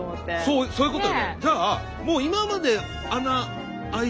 そうそうそういうこと。